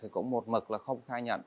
cũng một mực là không thai nhận